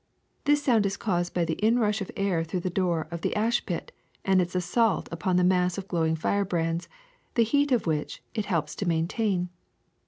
This sound is caused by the inrush of air through the door of the ash pit and its assault upon the mass of glow ing firebrands, the heat of which it helps to maintain.